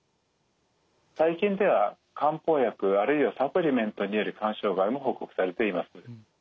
最近では漢方薬あるいはサプリメントによる肝障害も報告されています。